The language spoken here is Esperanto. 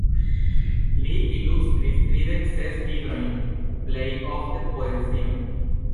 Li ilustris tridek ses librojn, plej ofte poezion.